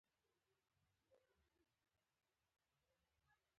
کندهار او هلمند په حوزه جنوب غرب کي واقع دي.